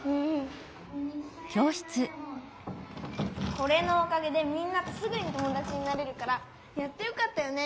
これのおかげでみんなとすぐにともだちになれるからやってよかったよね。